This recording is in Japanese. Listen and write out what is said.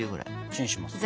チンしますか。